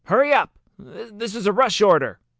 "Hurry up! This is a rush order!"